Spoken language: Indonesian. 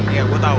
ya gue tau